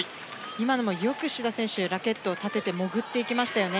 今のもよく志田選手ラケットを立てて潜っていきましたよね。